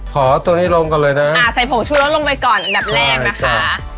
ตัวนี้ลงก่อนเลยนะอ่าใส่ผงชูรสลงไปก่อนอันดับแรกนะคะ